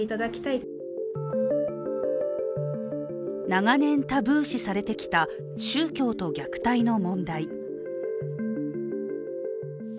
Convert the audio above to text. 長年、タブー視されてきた宗教と虐待の問題。